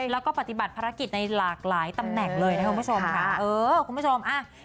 แล้วก็ปฏิบัติภารกิจในหลากหลายตำแหน่งเลยนะคุณผู้ชมค่ะเออคุณผู้ชมอ่ะ